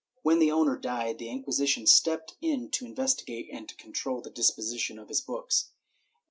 When the owner died, the Inquisition stepped in to investigate and control the disposition of his books.